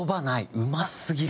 うますぎる。